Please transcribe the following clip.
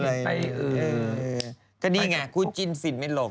นี่ก็นี่ไงคู่จิ้นฟินไม่ลง